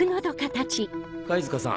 貝塚さん